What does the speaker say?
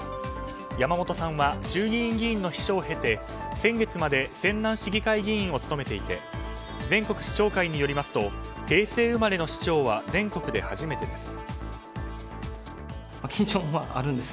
山本さんは衆議院議員の秘書を経て先月まで泉南市議会議員を務めていて全国市長会によりますと平成生まれの市長は全国で初めてです。